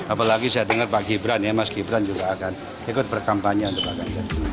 apalagi saya dengar pak gibran ya mas gibran juga akan ikut berkampanye untuk pak ganjar